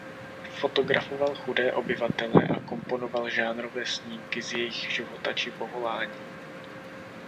Fotografoval chudé obyvatele a komponoval žánrové snímky z jejich života či povolání.